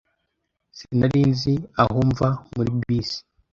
Sinari nzi aho mva muri bisi.